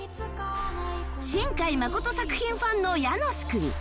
新海誠作品ファンのヤノスくん